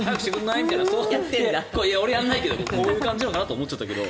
いらついてこういう感じなのかなと思っちゃったけど。